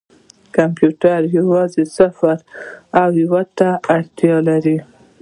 کمپیوټر یوازې صفر او یو ته اړتیا لري.